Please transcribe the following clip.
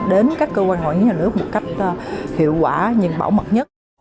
đến các cơ quan ngoại nghiệp nhà nước một cách hiệu quả nhưng bảo mật nhất